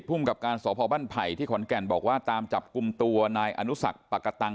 ติดพุ่งกับการสอบพอบ้านไผ่ที่ขอนแก่นบอกว่าตามจับกลุ่มตัวในอนุสักปกตังค์